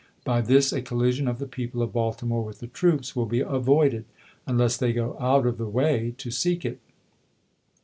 By this a collision of the people of Baltimore with the troops will be avoided, unless they go out of the way to seek it.